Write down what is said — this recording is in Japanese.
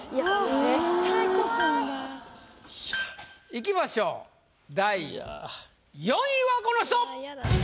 いきましょう第４位はこの人！